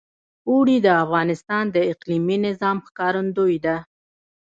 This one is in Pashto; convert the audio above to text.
اوړي د افغانستان د اقلیمي نظام ښکارندوی ده.